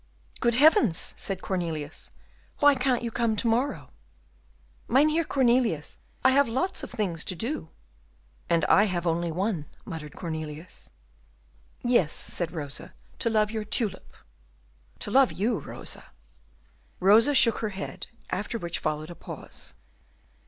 "Good heavens!" said Cornelius, "why can't you come to morrow?" "Mynheer Cornelius, I have lots of things to do." "And I have only one," muttered Cornelius. "Yes," said Rosa, "to love your tulip." "To love you, Rosa." Rosa shook her head, after which followed a pause.